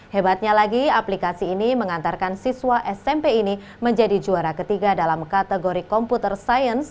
hebatnya lagi aplikasi ini mengantarkan siswa smp ini menjadi juara ketiga dalam kategori komputer science